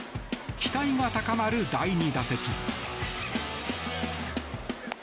期待が高まる第２打席。